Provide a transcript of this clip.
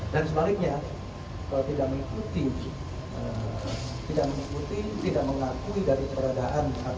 dan sebaliknya kalau tidak mengikuti tidak mengikuti tidak mengakui dari keberadaan